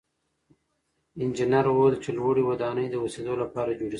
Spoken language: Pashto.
انجنیر وویل چې لوړې ودانۍ د اوسېدو لپاره جوړې سوې.